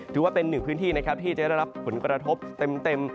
ถือว่าเป็นหนึ่งพื้นที่นะครับที่จะได้รับผลกระทบเต็ม